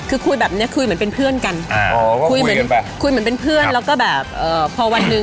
คือคุยแบบเนี่ยคุยเหมือนเป็นเพื่อนกัน